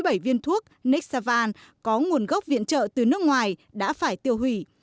thì có đến hai trăm sáu mươi bảy viên thuốc nexavan có nguồn gốc viện trợ từ nước ngoài đã phải tiêu hủy